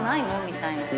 みたいな。